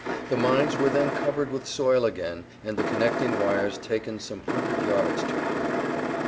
The mines were then covered with soil again and the connecting wires taken some hundred yards to the rear.